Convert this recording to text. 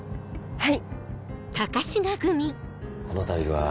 はい。